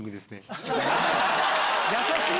優しい！